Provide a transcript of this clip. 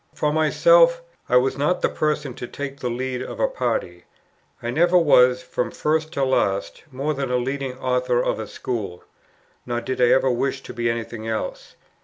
For myself, I was not the person to take the lead of a party; I never was, from first to last, more than a leading author of a school; nor did I ever wish to be anything else.